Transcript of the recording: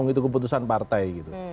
itu keputusan partai gitu